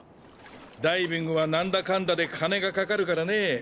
ダイビングはなんだかんだで金がかかるからねぇ。